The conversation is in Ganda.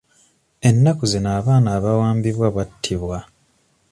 Ennaku zino abaana abawambibwa battibwa.